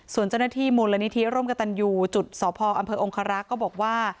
ส่วนเจ้าหน้าที่มูลนิธิร่มกับตันยูจุดสพอำเภอองคารักษ์ก็บอกว่า